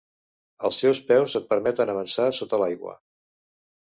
Els seus peus et permeten avançar sota l'aigua.